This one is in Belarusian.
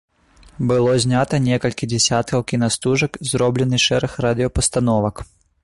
Было знята некалькі дзясяткаў кінастужак, зроблены шэраг радыёпастановак.